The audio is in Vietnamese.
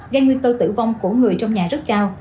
gây nguy cơ tử vong của người trong nhà rất cao